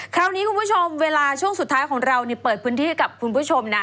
คราวนี้คุณผู้ชมเวลาช่วงสุดท้ายของเราเปิดพื้นที่ให้กับคุณผู้ชมนะ